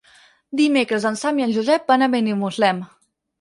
Dimecres en Sam i en Josep van a Benimuslem.